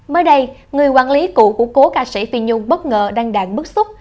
mới đây người quản lý cũ của cố ca sĩ phi nhung bất ngờ đang đạn bức xúc